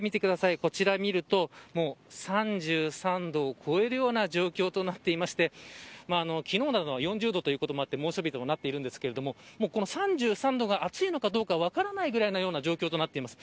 こちらを見ると３３度を超えるような状況となっていまして昨日なんかは４０度ということもあって猛暑日となっているんですが３３度が暑いのかどうか分からないような状況となっています。